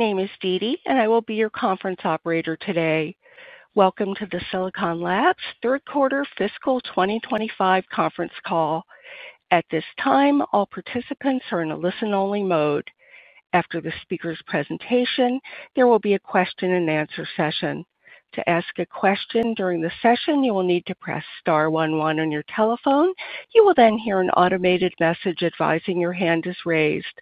My name is Dee Dee, and I will be your conference operator today. Welcome to the Silicon Labs third quarter fiscal 2025 conference call. At this time, all participants are in a listen-only mode. After the speaker's presentation, there will be a question-and-answer session. To ask a question during the session, you will need to press star one one on your telephone. You will then hear an automated message advising your hand is raised.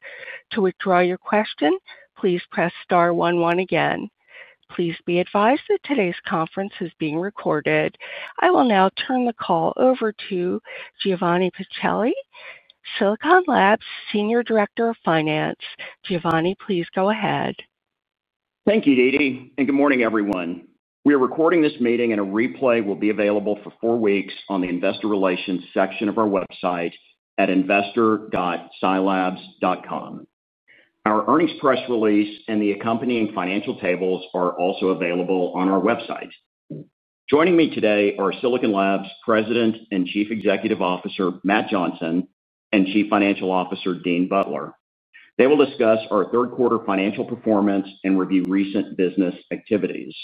To withdraw your question, please press star one one again. Please be advised that today's conference is being recorded. I will now turn the call over to Giovanni Pacelli, Silicon Labs Senior Director of Finance. Giovanni, please go ahead. Thank you, Dee Dee, and good morning, everyone. We are recording this meeting, and a replay will be available for four weeks on the investor relations section of our website at investor.silabs.com. Our earnings press release and the accompanying financial tables are also available on our website. Joining me today are Silicon Labs President and Chief Executive Officer Matt Johnson and Chief Financial Officer Dean Butler. They will discuss our third quarter financial performance and review recent business activities.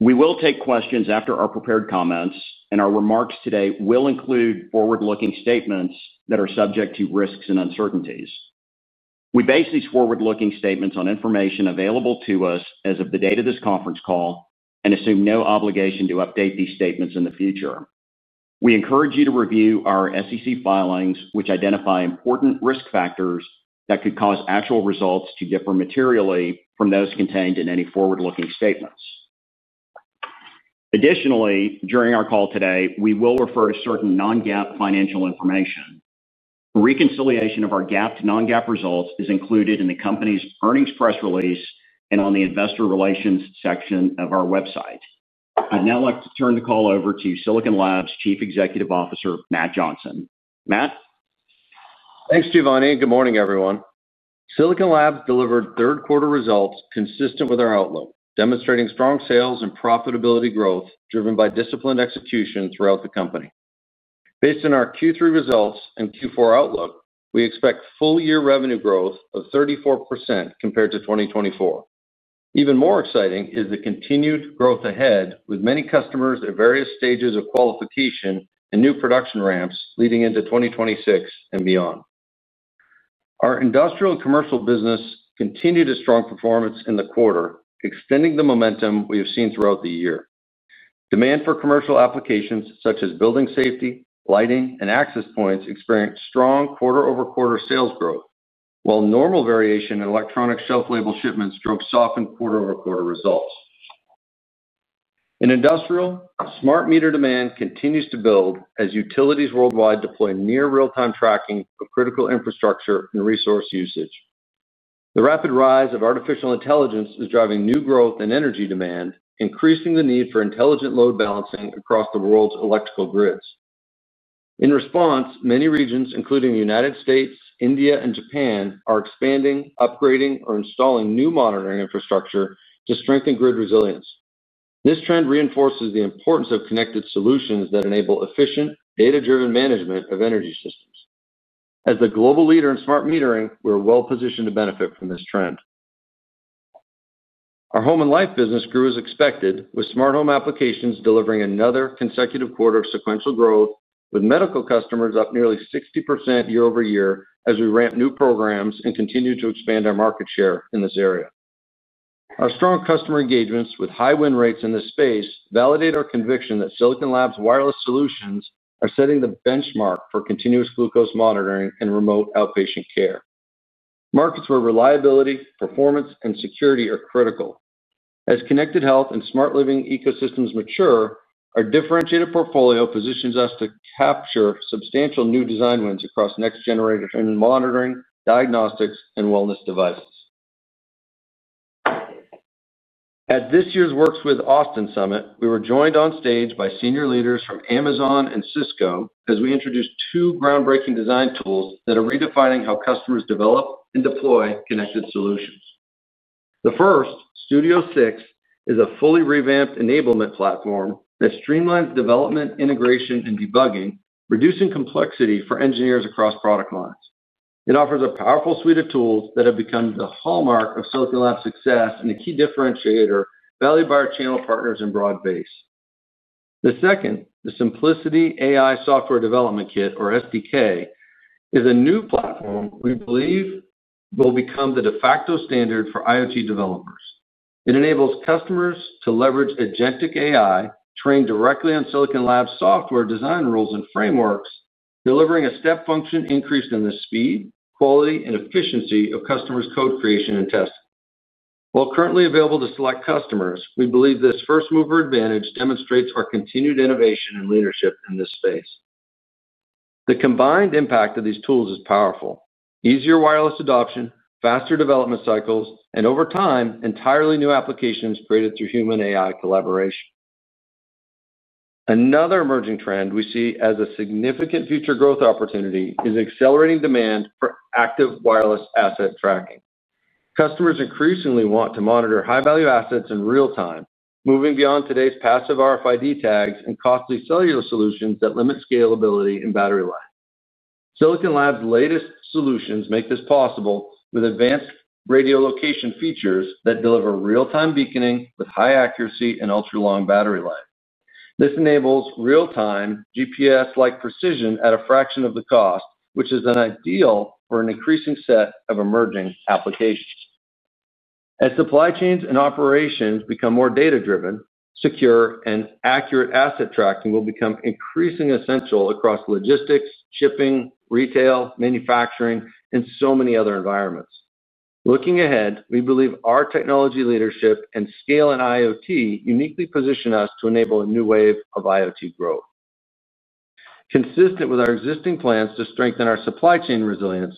We will take questions after our prepared comments, and our remarks today will include forward-looking statements that are subject to risks and uncertainties. We base these forward-looking statements on information available to us as of the date of this conference call and assume no obligation to update these statements in the future. We encourage you to review our SEC filings, which identify important risk factors that could cause actual results to differ materially from those contained in any forward-looking statements. Additionally, during our call today, we will refer to certain non-GAAP financial information. Reconciliation of our GAAP to non-GAAP results is included in the company's earnings press release and on the investor relations section of our website. I'd now like to turn the call over to Silicon Labs Chief Executive Officer Matt Johnson. Matt. Thanks, Giovanni. Good morning, everyone. Silicon Labs delivered third quarter results consistent with our outlook, demonstrating strong sales and profitability growth driven by disciplined execution throughout the company. Based on our Q3 results and Q4 outlook, we expect full-year revenue growth of 34% compared to 2024. Even more exciting is the continued growth ahead, with many customers at various stages of qualification and new production ramps leading into 2026 and beyond. Our industrial and commercial business continued a strong performance in the quarter, extending the momentum we have seen throughout the year. Demand for commercial applications such as building safety, lighting, and access points experienced strong quarter-over-quarter sales growth, while normal variation in electronic shelf label shipments drove softened quarter-over-quarter results. In industrial, smart meter demand continues to build as utilities worldwide deploy near real-time tracking of critical infrastructure and resource usage. The rapid rise of artificial intelligence is driving new growth in energy demand, increasing the need for intelligent load balancing across the world's electrical grids. In response, many regions, including the United States, India, and Japan, are expanding, upgrading, or installing new monitoring infrastructure to strengthen grid resilience. This trend reinforces the importance of connected solutions that enable efficient, data-driven management of energy systems. As the global leader in smart metering, we are well-positioned to benefit from this trend. Our home and life business grew as expected, with smart home applications delivering another consecutive quarter of sequential growth, with medical customers up nearly 60% year-over-year as we ramp new programs and continue to expand our market share in this area. Our strong customer engagements with high win rates in this space validate our conviction that Silicon Labs' wireless solutions are setting the benchmark for continuous glucose monitoring and remote outpatient care. Markets where reliability, performance, and security are critical. As connected health and smart living ecosystems mature, our differentiated portfolio positions us to capture substantial new design wins across next-generation monitoring, diagnostics, and wellness devices. At this year's Works With Austin Summit, we were joined on stage by senior leaders from Amazon and Cisco as we introduced two groundbreaking design tools that are redefining how customers develop and deploy connected solutions. The first, Studio 6, is a fully revamped enablement platform that streamlines development, integration, and debugging, reducing complexity for engineers across product lines. It offers a powerful suite of tools that have become the hallmark of Silicon Labs' success and a key differentiator valued by our channel partners and broad base. The second, the Simplicity AI Software Development Kit, or SDK, is a new platform we believe will become the de facto standard for IoT developers. It enables customers to leverage agentic AI trained directly on Silicon Labs' software design rules and frameworks, delivering a step function increase in the speed, quality, and efficiency of customers' code creation and testing. While currently available to select customers, we believe this first-mover advantage demonstrates our continued innovation and leadership in this space. The combined impact of these tools is powerful: easier wireless adoption, faster development cycles, and over time, entirely new applications created through human-AI collaboration. Another emerging trend we see as a significant future growth opportunity is accelerating demand for active wireless asset tracking. Customers increasingly want to monitor high-value assets in real time, moving beyond today's passive RFID tags and costly cellular solutions that limit scalability and battery life. Silicon Labs' latest solutions make this possible with advanced radio location features that deliver real-time beaconing with high accuracy and ultra-long battery life. This enables real-time GPS-like precision at a fraction of the cost, which is ideal for an increasing set of emerging applications. As supply chains and operations become more data-driven, secure and accurate asset tracking will become increasingly essential across logistics, shipping, retail, manufacturing, and so many other environments. Looking ahead, we believe our technology leadership and scale in IoT uniquely position us to enable a new wave of IoT growth. Consistent with our existing plans to strengthen our supply chain resilience,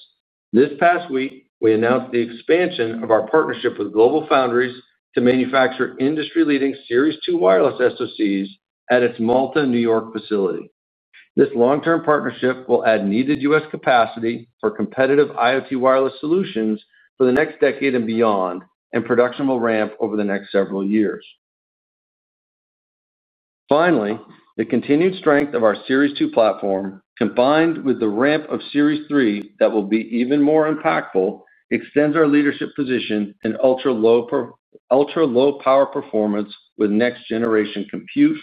this past week, we announced the expansion of our partnership with GlobalFoundries to manufacture industry-leading Series 2 Wireless SoCs at its Malta, New York, facility. This long-term partnership will add needed U.S. capacity for competitive IoT wireless solutions for the next decade and beyond, and production will ramp over the next several years. Finally, the continued strength of our Series 2 platform, combined with the ramp of Series 3 that will be even more impactful, extends our leadership position in ultra-low power performance with next-generation compute,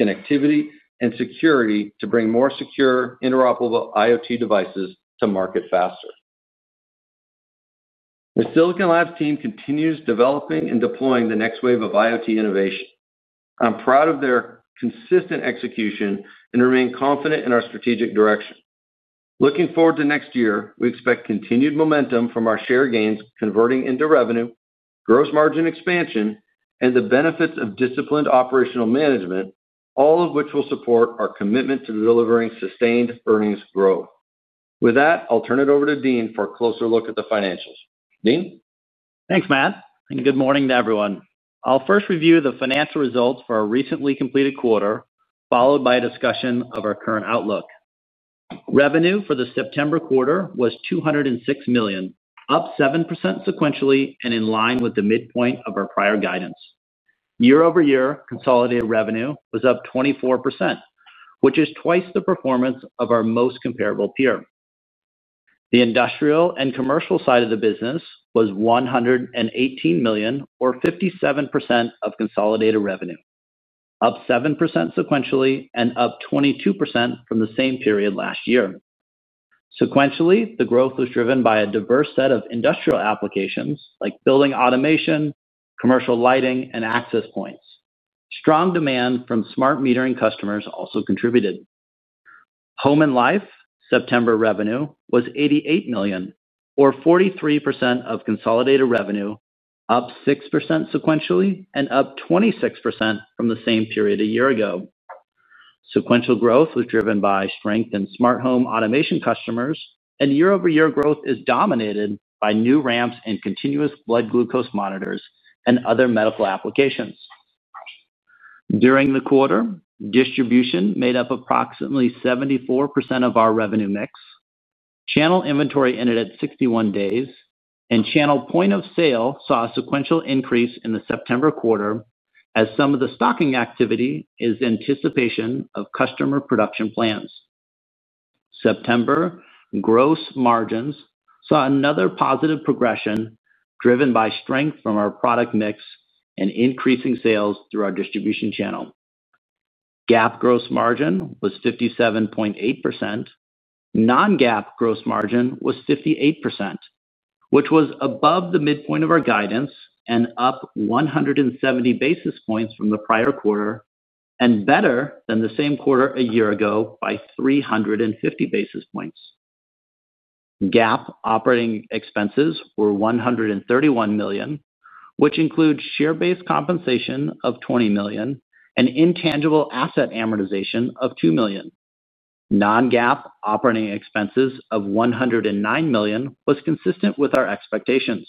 connectivity, and security to bring more secure, interoperable IoT devices to market faster. The Silicon Labs team continues developing and deploying the next wave of IoT innovation. I'm proud of their consistent execution and remain confident in our strategic direction. Looking forward to next year, we expect continued momentum from our share gains converting into revenue, gross margin expansion, and the benefits of disciplined operational management, all of which will support our commitment to delivering sustained earnings growth. With that, I'll turn it over to Dean for a closer look at the financials. Dean. Thanks, Matt. Good morning to everyone. I'll first review the financial results for our recently completed quarter, followed by a discussion of our current outlook. Revenue for the September quarter was $206 million, up 7% sequentially and in line with the midpoint of our prior guidance. Year-over-year consolidated revenue was up 24%, which is twice the performance of our most comparable peer. The industrial and commercial side of the business was $118 million, or 57% of consolidated revenue, up 7% sequentially and up 22% from the same period last year. Sequentially, the growth was driven by a diverse set of industrial applications like building automation, commercial lighting, and access points. Strong demand from smart metering customers also contributed. Home and life September revenue was $88 million, or 43% of consolidated revenue, up 6% sequentially and up 26% from the same period a year ago. Sequential growth was driven by strength in smart home automation customers, and year-over-year growth is dominated by new ramps and continuous blood glucose monitors and other medical applications. During the quarter, distribution made up approximately 74% of our revenue mix. Channel inventory ended at 61 days, and channel point of sale saw a sequential increase in the September quarter as some of the stocking activity is in anticipation of customer production plans. September gross margins saw another positive progression driven by strength from our product mix and increasing sales through our distribution channel. GAAP gross margin was 57.8%. Non-GAAP gross margin was 58%, which was above the midpoint of our guidance and up 170 basis points from the prior quarter and better than the same quarter a year ago by 350 basis points. GAAP operating expenses were $131 million, which includes share-based compensation of $20 million and intangible asset amortization of $2 million. Non-GAAP operating expenses of $109 million was consistent with our expectations.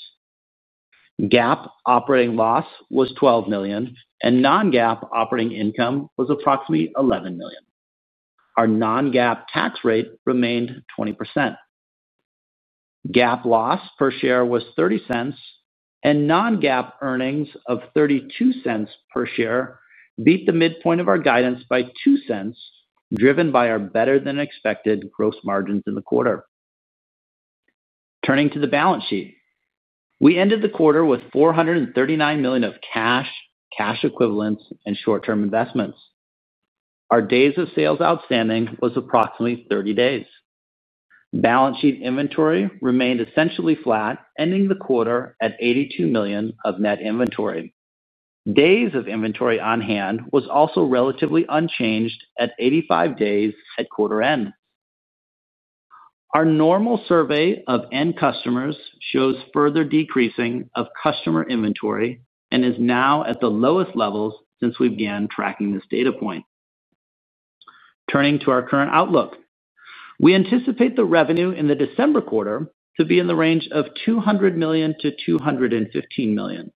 GAAP operating loss was $12 million, and non-GAAP operating income was approximately $11 million. Our non-GAAP tax rate remained 20%. GAAP loss per share was $0.30. Non-GAAP earnings of $0.32 per share beat the midpoint of our guidance by $0.02, driven by our better-than-expected gross margins in the quarter. Turning to the balance sheet, we ended the quarter with $439 million of cash, cash equivalents, and short-term investments. Our days of sales outstanding was approximately 30 days. Balance sheet inventory remained essentially flat, ending the quarter at $82 million of net inventory. Days of inventory on hand was also relatively unchanged at 85 days at quarter end. Our normal survey of end customers shows further decreasing of customer inventory and is now at the lowest levels since we began tracking this data point. Turning to our current outlook, we anticipate the revenue in the December quarter to be in the range of $200 million-$215 million,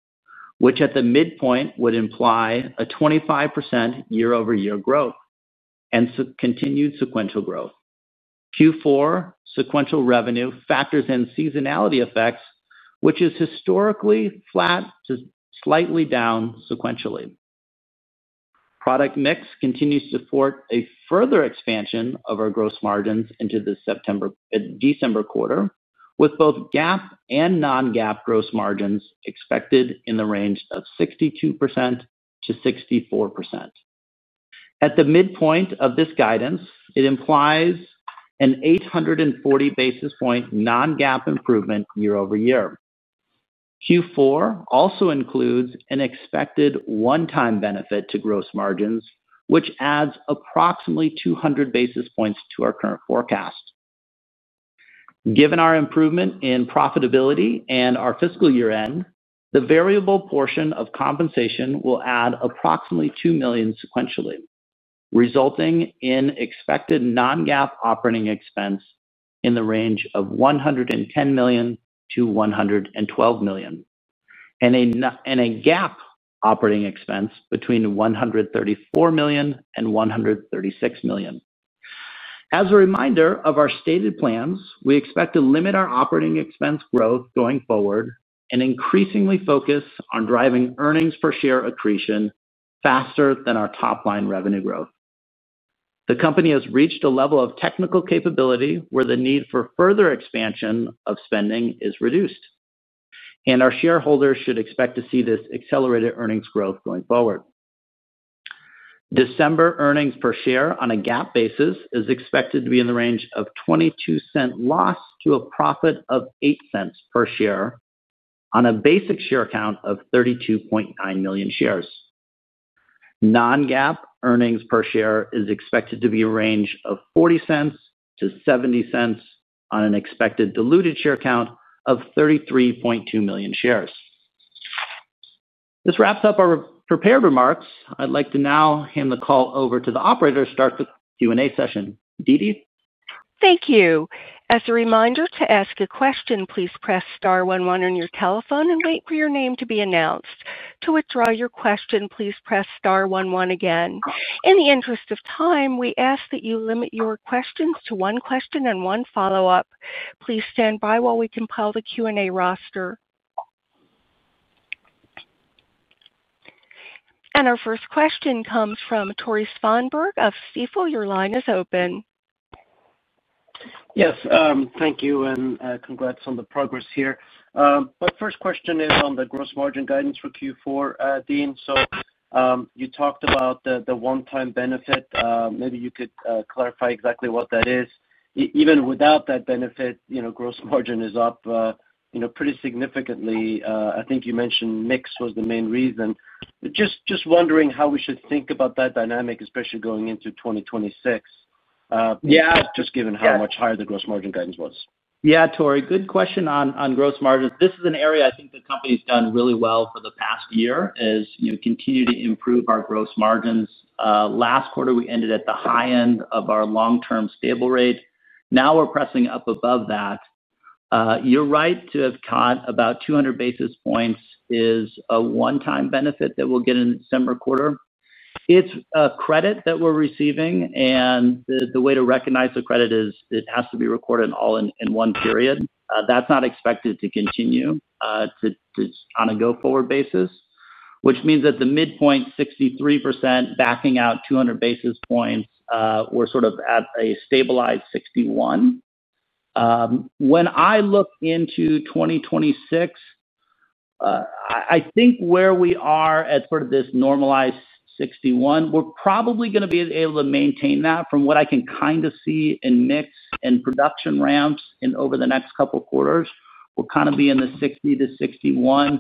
which at the midpoint would imply a 25% year-over-year growth and continued sequential growth. Q4 sequential revenue factors in seasonality effects, which is historically flat to slightly down sequentially. Product mix continues to support a further expansion of our gross margins into the December quarter, with both GAAP and non-GAAP gross margins expected in the range of 62%-64%. At the midpoint of this guidance, it implies an 840 basis point non-GAAP improvement year-over-year. Q4 also includes an expected one-time benefit to gross margins, which adds approximately 200 basis points to our current forecast. Given our improvement in profitability and our fiscal year end, the variable portion of compensation will add approximately $2 million sequentially, resulting in expected non-GAAP operating expense in the range of $110 million-$112 million and a GAAP operating expense between $134 million-$136 million. As a reminder of our stated plans, we expect to limit our operating expense growth going forward and increasingly focus on driving earnings per share accretion faster than our top-line revenue growth. The company has reached a level of technical capability where the need for further expansion of spending is reduced and our shareholders should expect to see this accelerated earnings growth going forward. December earnings per share on a GAAP basis is expected to be in the range of $0.22 loss to a profit of $0.08 per share on a basic share count of 32.9 million shares. Non-GAAP earnings per share is expected to be in the range of $0.40-$0.70 on an expected diluted share count of 33.2 million shares. This wraps up our prepared remarks. I'd like to now hand the call over to the operator to start the Q&A session. Dee Dee. Thank you. As a reminder to ask a question, please press star one one on your telephone and wait for your name to be announced. To withdraw your question, please press star one one again. In the interest of time, we ask that you limit your questions to one question and one follow-up. Please stand by while we compile the Q&A roster. Our first question comes from Tore Svanberg of Stifel. Your line is open. Yes. Thank you. Congrats on the progress here. My first question is on the gross margin guidance for Q4, Dean. So you talked about the one-time benefit. Maybe you could clarify exactly what that is. Even without that benefit, gross margin is up pretty significantly. I think you mentioned mix was the main reason. Just wondering how we should think about that dynamic, especially going into 2025. Just given how much higher the gross margin guidance was. Yeah, Tore, good question on gross margins. This is an area I think the company's done really well for the past year as we continue to improve our gross margins. Last quarter, we ended at the high end of our long-term stable rate. Now we're pressing up above that. You're right to have caught about 200 basis points is a one-time benefit that we'll get in the December quarter. It's a credit that we're receiving. The way to recognize the credit is it has to be recorded all in one period. That's not expected to continue on a go-forward basis, which means that the midpoint, 63%, backing out 200 basis points, we're sort of at a stabilized 61%. When I look into 2026, I think where we are at sort of this normalized 61%, we're probably going to be able to maintain that from what I can kind of see in mix and production ramps over the next couple of quarters. We'll kind of be in the 60%-61% range.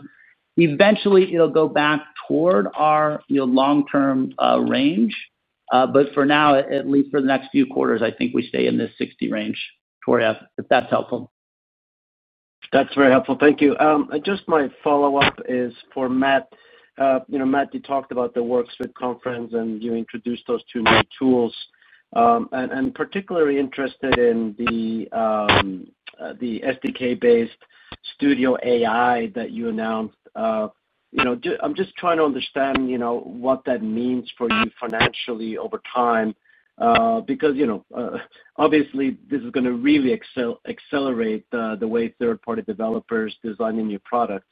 Eventually, it'll go back toward our long-term range. For now, at least for the next few quarters, I think we stay in this 60% range. Torrey, if that's helpful. That's very helpful. Thank you. Just my follow-up is for Matt. Matt, you talked about the Works conference, and you introduced those two new tools. I'm particularly interested in the SDK-based Studio AI that you announced. I'm just trying to understand what that means for you financially over time. Because obviously, this is going to really accelerate the way third-party developers design a new product.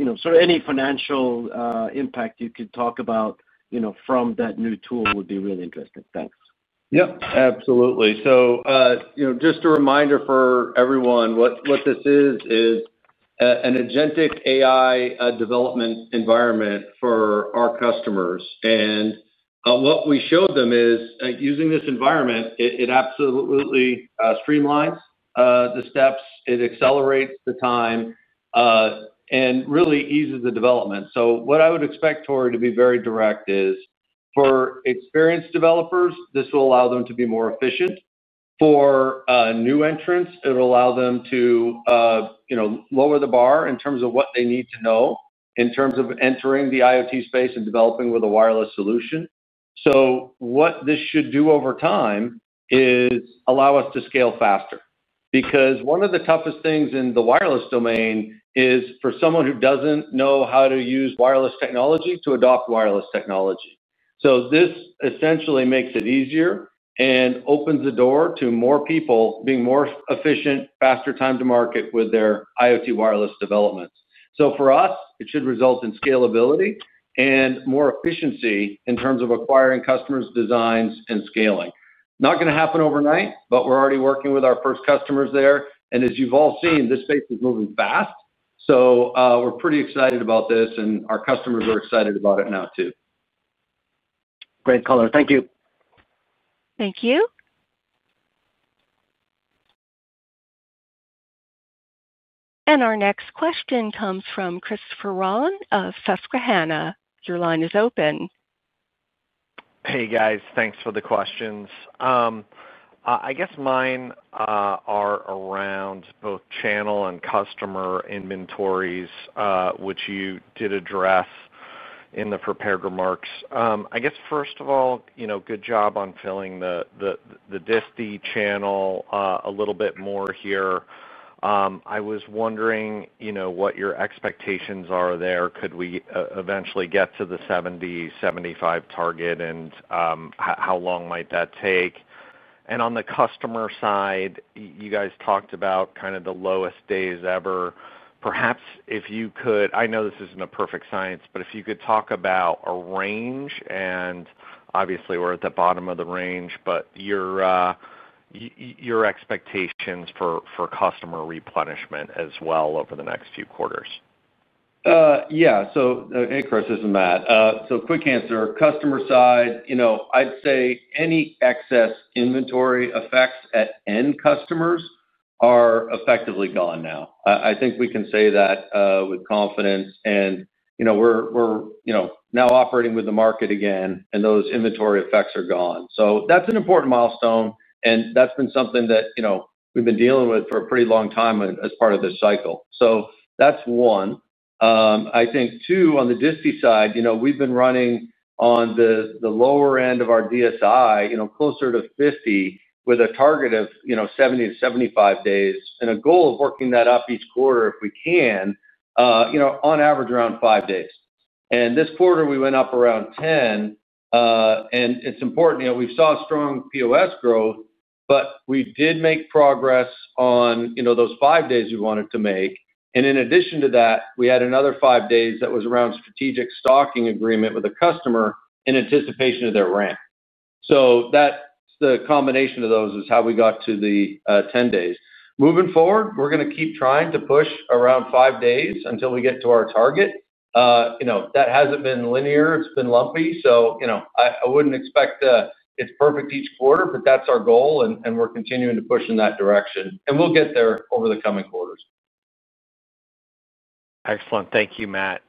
Any financial impact you could talk about from that new tool would be really interesting. Thanks. Yep. Absolutely. Just a reminder for everyone what this is, is an agentic AI development environment for our customers. And what we showed them is using this environment, it absolutely streamlines the steps. It accelerates the time. And really eases the development. What I would expect, Torrey, to be very direct is for experienced developers, this will allow them to be more efficient. For new entrants, it'll allow them to lower the bar in terms of what they need to know in terms of entering the IoT space and developing with a wireless solution. What this should do over time is allow us to scale faster. Because one of the toughest things in the wireless domain is for someone who doesn't know how to use wireless technology to adopt wireless technology. This essentially makes it easier and opens the door to more people being more efficient, faster time to market with their IoT wireless developments. For us, it should result in scalability and more efficiency in terms of acquiring customers' designs and scaling. Not going to happen overnight, but we're already working with our first customers there. And as you've all seen, this space is moving fast. We're pretty excited about this, and our customers are excited about it now too. Great color. Thank you. Thank you. Our next question comes from Chris Rolland of Susquehanna. Your line is open. Hey, guys. Thanks for the questions. I guess mine are around both channel and customer inventories, which you did address in the prepared remarks. I guess, first of all, good job on filling the disti channel a little bit more here. I was wondering what your expectations are there. Could we eventually get to the 70%-75% target, and how long might that take? And on the customer side, you guys talked about kind of the lowest days ever. Perhaps if you could—I know this isn't a perfect science—but if you could talk about a range and obviously, we're at the bottom of the range, but your expectations for customer replenishment as well over the next few quarters. Yeah. So Chris, this is Matt. So quick answer. Customer side, I'd say any excess inventory effects at end customers are effectively gone now. I think we can say that with confidence. We're now operating with the market again, and those inventory effects are gone. So that's an important milestone. That's been something that we've been dealing with for a pretty long time as part of this cycle. So that's one. I think, two, on the disti side, we've been running on the lower end of our DSI, closer to 50, with a target of 70-75 days and a goal of working that up each quarter if we can, on average, around five days. This quarter, we went up around 10. It's important. We saw strong POS growth, but we did make progress on those five days we wanted to make. In addition to that, we had another five days that was around strategic stocking agreement with a customer in anticipation of their ramp. So that's the combination of those is how we got to the 10 days. Moving forward, we're going to keep trying to push around five days until we get to our target. That hasn't been linear. It's been lumpy. So I wouldn't expect it's perfect each quarter, but that's our goal. We're continuing to push in that direction. We'll get there over the coming quarters. Excellent. Thank you, Matt.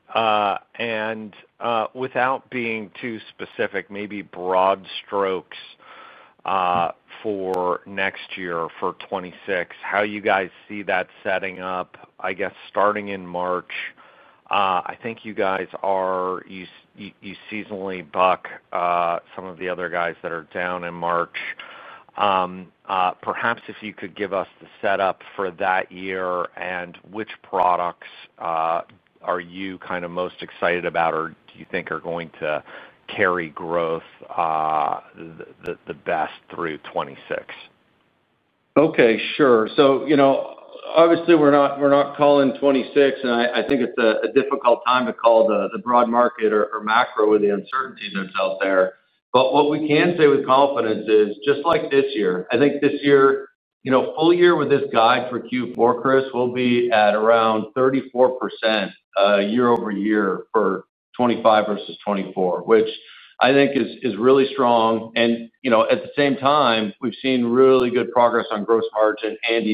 Without being too specific, maybe broad strokes. For next year, for 2026, how you guys see that setting up, I guess, starting in March. I think you guys are, you seasonally buck some of the other guys that are down in March. Perhaps if you could give us the setup for that year and which products are you kind of most excited about or do you think are going to carry growth the best through 2026? Okay. Sure. Obviously, we're not calling 2026, and I think it's a difficult time to call the broad market or macro with the uncertainties that's out there. What we can say with confidence is just like this year. I think this year, full year with this guide for Q4, Chris, we'll be at around 34%. Year-over-year for 2025 versus 2024, which I think is really strong. At the same time, we've seen really good progress on gross margin and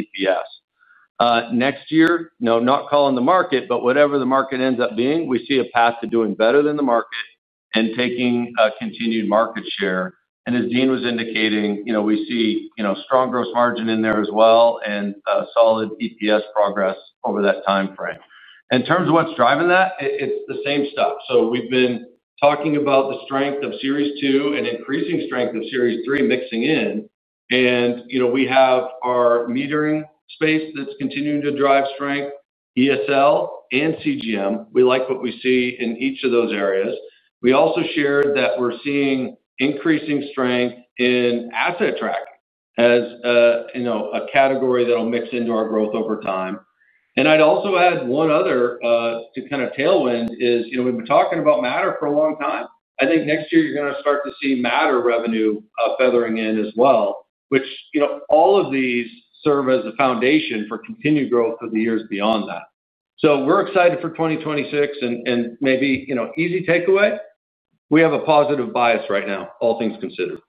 EPS. Next year, no, not calling the market, but whatever the market ends up being, we see a path to doing better than the market and taking continued market share. As Dean was indicating, we see strong gross margin in there as well and solid EPS progress over that time frame. In terms of what's driving that, it's the same stuff. We've been talking about the strength of Series 2 and increasing strength of Series 3 mixing in. We have our metering space that's continuing to drive strength, ESL, and CGM. We like what we see in each of those areas. We also shared that we're seeing increasing strength in asset tracking as a category that'll mix into our growth over time. I'd also add one other kind of tailwind is we've been talking about Matter for a long time. I think next year, you're going to start to see Matter revenue feathering in as well, which all of these serve as a foundation for continued growth for the years beyond that. We're excited for 2026 and maybe easy takeaway. We have a positive bias right now, all things considered.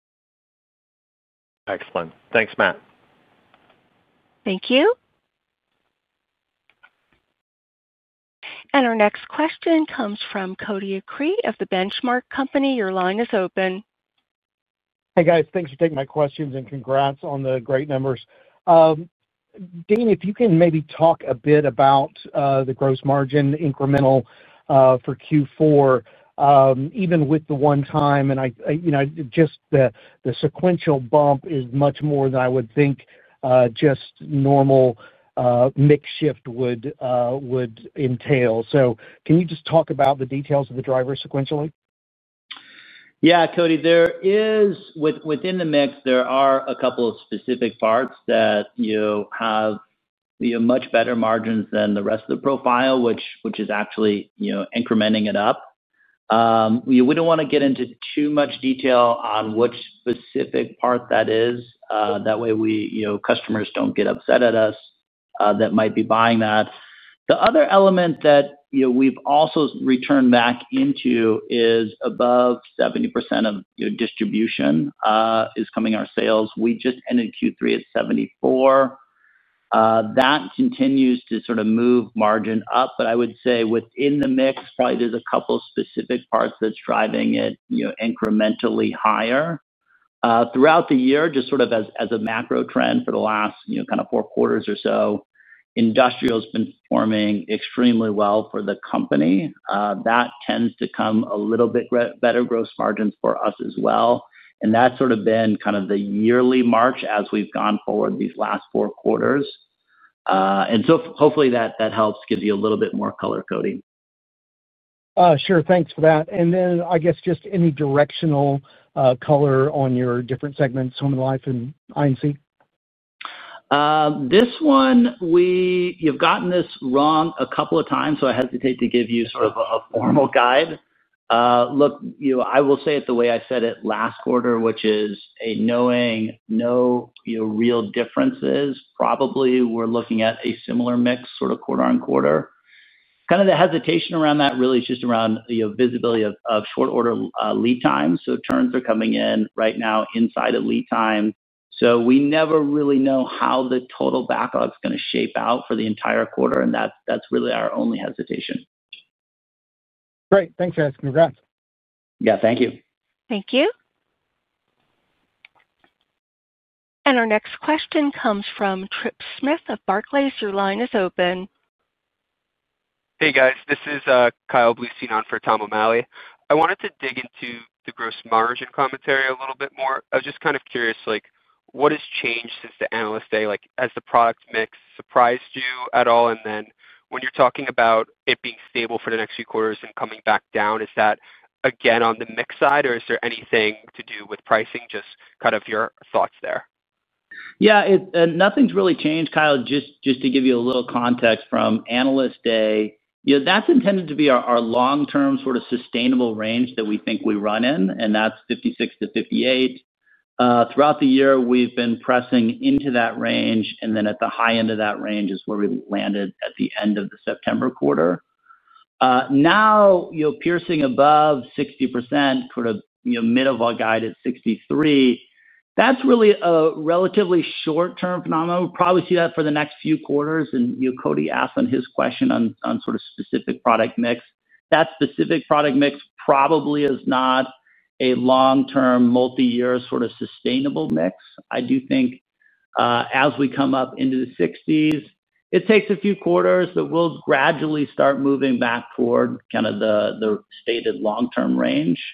Excellent. Thanks, Matt. Thank you. Our next question comes from Cody Acree of The Benchmark Company. Your line is open. Hey, guys. Thanks for taking my questions and congrats on the great numbers. Dean, if you can maybe talk a bit about the gross margin incremental for Q4. Even with the one time, and just the sequential bump is much more than I would think just normal mix shift would entail. So can you just talk about the details of the driver sequentially? Yeah, Cody. Within the mix, there are a couple of specific parts that have much better margins than the rest of the profile, which is actually incrementing it up. We don't want to get into too much detail on which specific part that is. That way, customers don't get upset at us that might be buying that. The other element that we've also returned back into is above 70% of distribution is coming in our sales. We just ended Q3 at 74%. That continues to sort of move margin up. But I would say within the mix, probably there's a couple of specific parts that's driving it incrementally higher. Throughout the year, just sort of as a macro trend for the last kind of four quarters or so, Industrial has been performing extremely well for the company. That tends to come a little bit better gross margins for us as well. And that's sort of been kind of the yearly march as we've gone forward these last four quarters. And so hopefully, that helps give you a little bit more color, Cody. Sure. Thanks for that. Then I guess just any directional color on your different segments, home and life and IoT? This one, you've gotten this wrong a couple of times, so I hesitate to give you sort of a formal guide. Look, I will say it the way I said it last quarter, which is knowing no real differences. Probably we're looking at a similar mix sort of quarter on quarter. Kind of the hesitation around that really is just around visibility of short-order lead times. So turns are coming in right now inside of lead time. So we never really know how the total backlog is going to shape out for the entire quarter. That's really our only hesitation. Great. Thanks, guys. Congrats. Yeah. Thank you. Thank you. Our next question comes from Trip Smith of Barclays. Your line is open. Hey, guys. This is Kyle Bleustein for Tom [O'Malley]. I wanted to dig into the gross margin commentary a little bit more. I was just kind of curious, what has changed since the analyst day? Has the product mix surprised you at all? And then when you're talking about it being stable for the next few quarters and coming back down, is that again on the mix side, or is there anything to do with pricing? Just kind of your thoughts there. Yeah. Nothing's really changed, Kyle. Just to give you a little context from analyst day, that's intended to be our long-term sort of sustainable range that we think we run in, and that's 56%-58%. Throughout the year, we've been pressing into that range. And then at the high end of that range is where we landed at the end of the September quarter. Now, piercing above 60%, sort of mid of our guide at 63%, that's really a relatively short-term phenomenon. We'll probably see that for the next few quarters. Cody asked on his question on sort of specific product mix. That specific product mix probably is not a long-term, multi-year sort of sustainable mix. I do think. As we come up into the 60s, it takes a few quarters, but we'll gradually start moving back toward kind of the stated long-term range.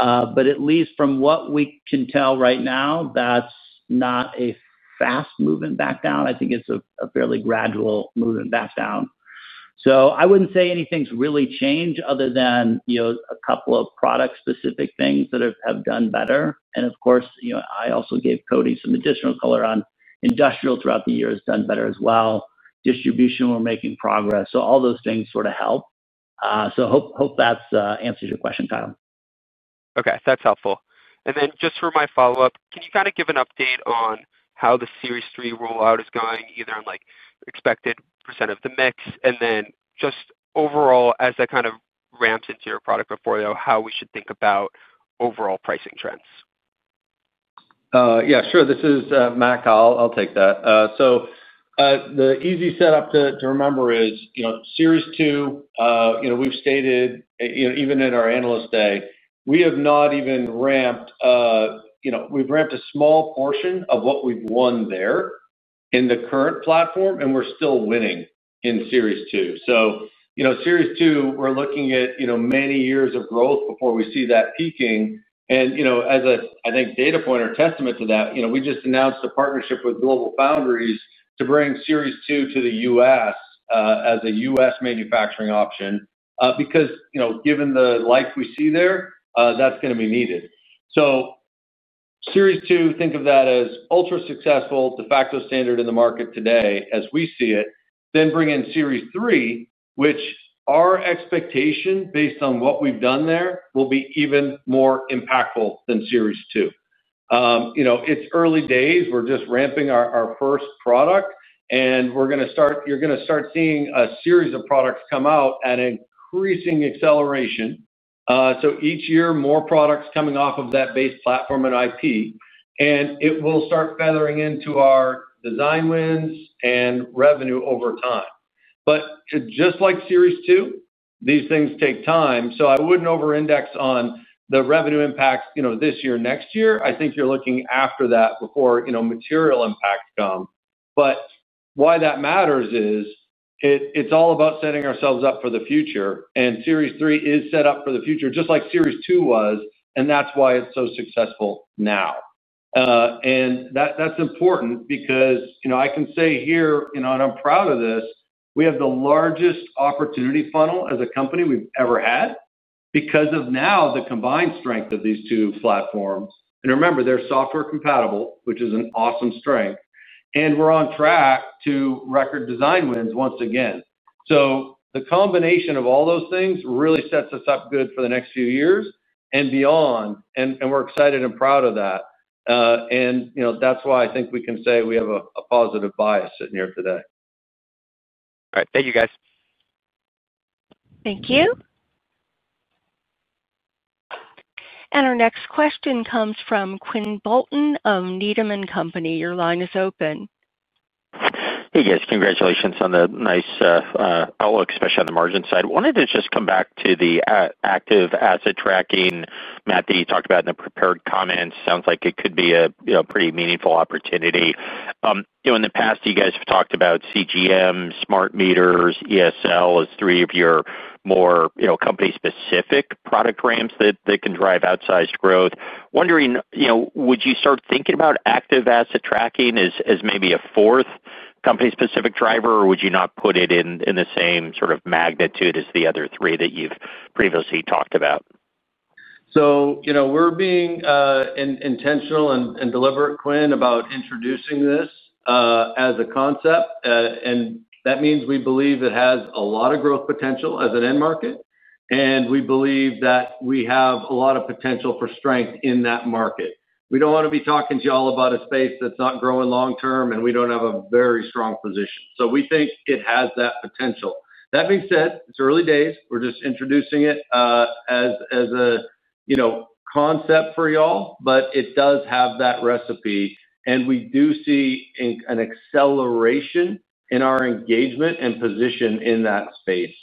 But at least from what we can tell right now, that's not a fast movement back down. I think it's a fairly gradual movement back down. I wouldn't say anything's really changed other than a couple of product-specific things that have done better. Of course, I also gave Cody some additional color on industrial throughout the year has done better as well. Distribution, we're making progress. All those things sort of help. Hope that answers your question, Kyle. Okay. That's helpful. Then just for my follow-up, can you kind of give an update on how the Series 3 rollout is going, either in expected percent of the mix, and then just overall, as that kind of ramps into your product portfolio, how we should think about overall pricing trends? Yeah. Sure. This is Matt. I'll take that. So the easy setup to remember is Series 2. We've stated, even at our analyst day, we have not even ramped. We've ramped a small portion of what we've won there in the current platform, and we're still winning in Series 2. So Series 2, we're looking at many years of growth before we see that peaking. As I think data point or testament to that, we just announced a partnership with GlobalFoundries to bring Series 2 to the U.S. as a U.S. manufacturing option because given the life we see there, that's going to be needed. So Series 2, think of that as ultra successful, de facto standard in the market today as we see it, then bring in Series 3, which our expectation based on what we've done there will be even more impactful than Series 2. It's early days. We're just ramping our first product. You're going to start seeing a series of products come out at an increasing acceleration. So each year, more products coming off of that base platform and IP. It will start feathering into our design wins and revenue over time. Just like Series 2, these things take time. So I wouldn't over-index on the revenue impacts this year and next year. I think you're looking after that before material impacts come. Why that matters is it's all about setting ourselves up for the future. Series 3 is set up for the future just like Series 2 was. That's why it's so successful now. That's important because I can say here, and I'm proud of this, we have the largest opportunity funnel as a company we've ever had because of now the combined strength of these two platforms. Remember, they're software compatible, which is an awesome strength. We're on track to record design wins once again. So the combination of all those things really sets us up good for the next few years and beyond. We're excited and proud of that. That's why I think we can say we have a positive bias sitting here today. All right. Thank you, guys. Thank you. Our next question comes from Quinn Bolton of Needham & Company. Your line is open. Hey, guys. Congratulations on the nice outlook, especially on the margin side. I wanted to just come back to the active asset tracking Matt talked about in the prepared comments. Sounds like it could be a pretty meaningful opportunity. In the past, you guys have talked about CGM, smart meters, ESL as three of your more company-specific product ramps that can drive outsized growth. Wondering, would you start thinking about active asset tracking as maybe a fourth company-specific driver, or would you not put it in the same sort of magnitude as the other three that you've previously talked about? We're being intentional and deliberate, Quinn, about introducing this as a concept. And that means we believe it has a lot of growth potential as an end market. And we believe that we have a lot of potential for strength in that market. We don't want to be talking to y'all about a space that's not growing long-term, and we don't have a very strong position. We think it has that potential. That being said, it's early days. We're just introducing it as a concept for y'all, but it does have that recipe. And we do see an acceleration in our engagement and position in that space.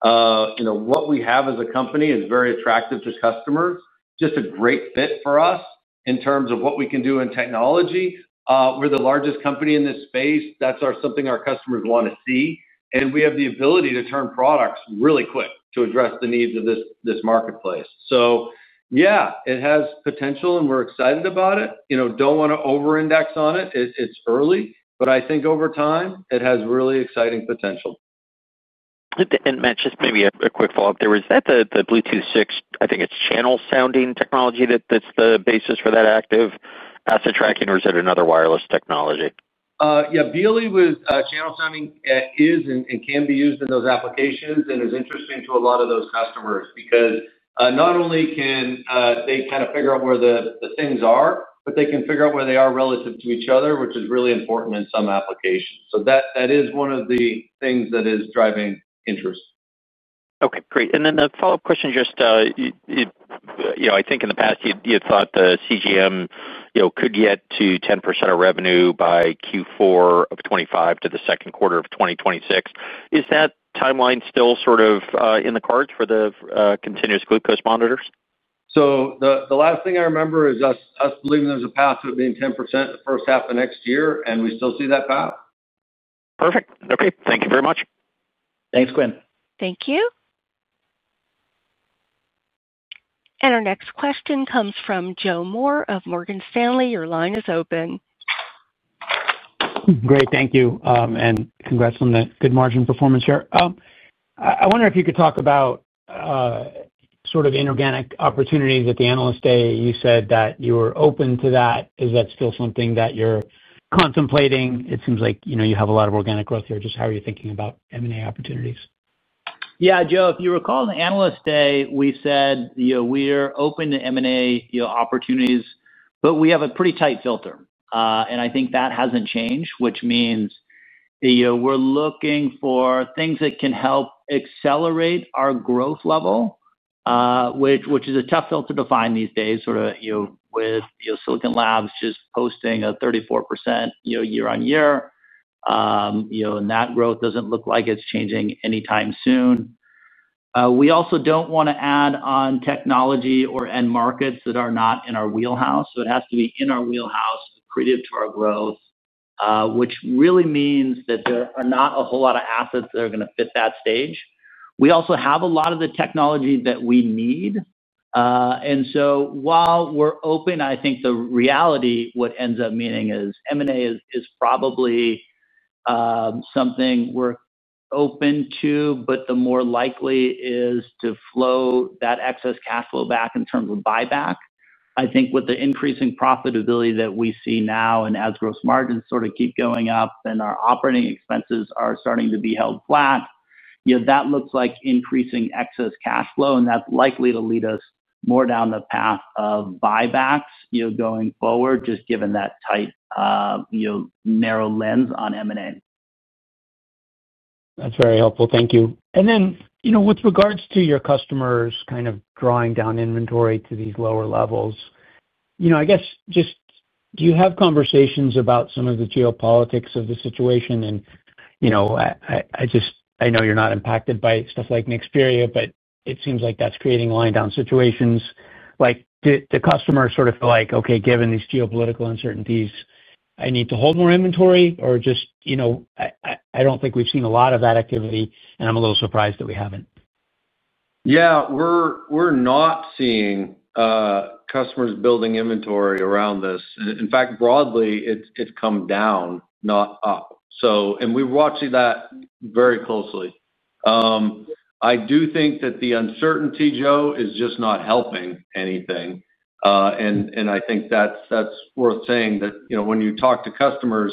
What we have as a company is very attractive to customers. Just a great fit for us in terms of what we can do in technology. We're the largest company in this space. That's something our customers want to see. And we have the ability to turn products really quick to address the needs of this marketplace. Yeah, it has potential, and we're excited about it. Don't want to over-index on it. It's early. But I think over time, it has really exciting potential. Matt, just maybe a quick follow-up there. Is that the Bluetooth 6.0, I think it's channel sounding technology that's the basis for that active asset tracking, or is it another wireless technology? Yeah. BLE with channel sounding is and can be used in those applications and is interesting to a lot of those customers because not only can they kind of figure out where the things are, but they can figure out where they are relative to each other, which is really important in some applications. So that is one of the things that is driving interest. Okay. Great. And then the follow-up question just. I think in the past, you thought the CGM could get to 10% of revenue by Q4 of 2025 to the second quarter of 2026. Is that timeline still sort of in the cards for the continuous glucose monitors? The last thing I remember is us believing there's a path to it being 10% the first half of next year. And we still see that path. Perfect. Okay. Thank you very much. Thanks, Quinn. Thank you. Our next question comes from Joe Moore of Morgan Stanley. Your line is open. Great. Thank you. And congrats on that good margin performance here. I wonder if you could talk about sort of inorganic opportunities at the analyst day. You said that you were open to that. Is that still something that you're contemplating? It seems like you have a lot of organic growth here. Just how are you thinking about M&A opportunities? Yeah, Joe, if you recall, the analyst day, we said we're open to M&A opportunities, but we have a pretty tight filter. And I think that hasn't changed, which means we're looking for things that can help accelerate our growth level. Which is a tough filter to find these days, sort of with Silicon Labs just posting a 34% year-on-year. And that growth doesn't look like it's changing anytime soon. We also don't want to add on technology or end markets that are not in our wheelhouse. So it has to be in our wheelhouse, accredited to our growth, which really means that there are not a whole lot of assets that are going to fit that stage. We also have a lot of the technology that we need. And so while we're open, I think the reality, what ends up meaning is M&A is probably something we're open to, but the more likely is to flow that excess cash flow back in terms of buyback. I think with the increasing profitability that we see now and as gross margins sort of keep going up and our operating expenses are starting to be held flat, that looks like increasing excess cash flow. And that's likely to lead us more down the path of buybacks going forward, just given that tight, narrow lens on M&A. That's very helpful. Thank you. Then with regards to your customers kind of drawing down inventory to these lower levels, I guess just do you have conversations about some of the geopolitics of the situation? I know you're not impacted by stuff like Nexperia, but it seems like that's creating line-down situations. The customer is sort of like, "Okay, given these geopolitical uncertainties, I need to hold more inventory," or just. "I don't think we've seen a lot of that activity, and I'm a little surprised that we haven't. Yeah. We're not seeing customers building inventory around this. In fact, broadly, it's come down, not up. We're watching that very closely. I do think that the uncertainty, Joe, is just not helping anything. I think that's worth saying that when you talk to customers,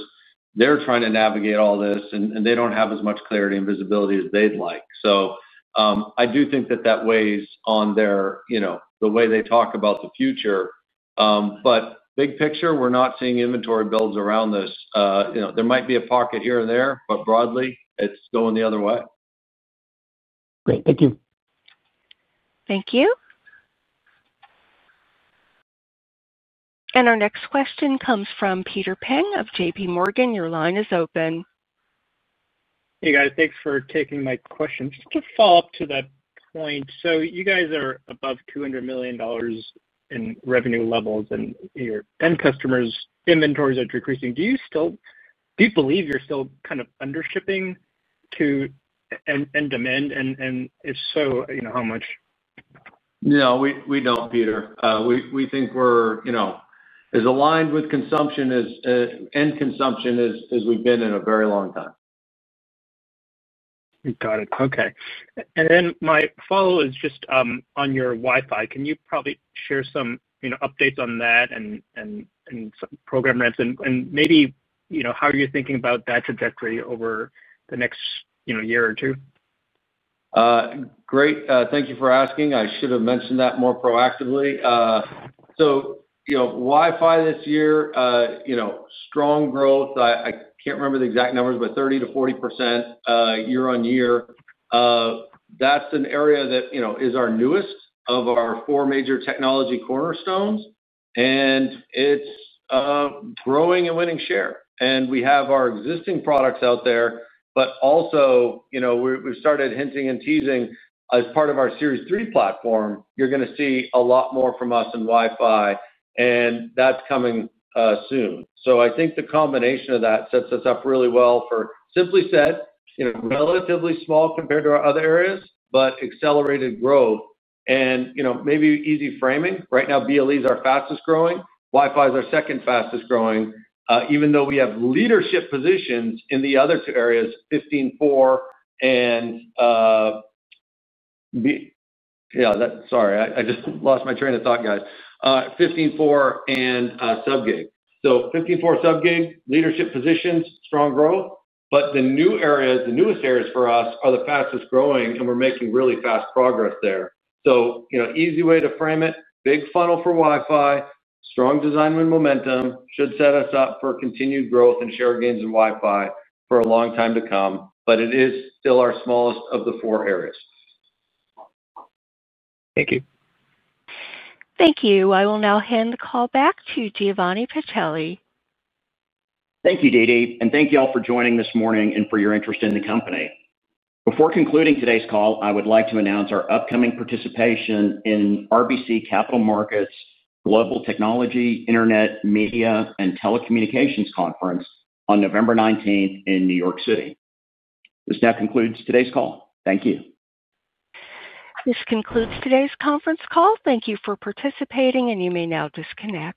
they're trying to navigate all this, and they don't have as much clarity and visibility as they'd like. So I do think that that weighs on the way they talk about the future. But big picture, we're not seeing inventory builds around this. There might be a pocket here and there, but broadly, it's going the other way. Great. Thank you. Thank you. Our next question comes from Peter Peng of JPMorgan. Your line is open. Hey, guys. Thanks for taking my question. Just to follow up to that point. So you guys are above $200 million in revenue levels, and your end customers' inventories are decreasing. Do you believe you're still kind of undershipping to end demand? And if so, how much? No, we don't, Peter. We think we're as aligned with consumption, as end consumption as we've been in a very long time. Got it. Okay. My follow-up is just on your Wi-Fi. Can you probably share some updates on that and some program ramps? Maybe how are you thinking about that trajectory over the next year or two? Great. Thank you for asking. I should have mentioned that more proactively. So Wi-Fi this year, strong growth. I can't remember the exact numbers, but 30%-40% year-on-year. That's an area that is our newest of our four major technology cornerstones and it's growing and winning share. We have our existing products out there, but also we've started hinting and teasing as part of our Series 3 platform, you're going to see a lot more from us in Wi-Fi and that's coming soon. I think the combination of that sets us up really well for, simply said, relatively small compared to our other areas, but accelerated growth. Maybe easy framing. Right now, BLE is our fastest growing. Wi-Fi is our second fastest growing, even though we have leadership positions in the other two areas, 802.15.4 and yeah, sorry, I just lost my train of thought, guys. 802.15.4 and Sub-GHz. 802.15.4 Sub-GHz, leadership positions, strong growth, but the new areas, the newest areas for us are the fastest growing, and we're making really fast progress there. Easy way to frame it, big funnel for Wi-Fi, strong design win momentum should set us up for continued growth and share gains in Wi-Fi for a long time to come, but it is still our smallest of the four areas. Thank you. Thank you. I will now hand the call back to Giovanni Pacelli. Thank you, Dee Dee. Thank you all for joining this morning and for your interest in the company. Before concluding today's call, I would like to announce our upcoming participation in RBC Capital Markets Global Technology Internet Media and Telecommunications Conference on November 19th in New York City. This now concludes today's call. Thank you. This concludes today's conference call. Thank you for participating, and you may now disconnect.